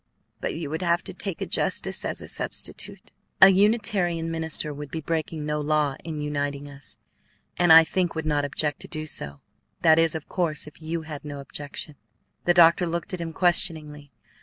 But you would have to take a justice as a substitute." "A Unitarian minister would be breaking no law in uniting us, and I think would not object to do so; that is, of course, if you had no objection." The doctor looked at him questioningly.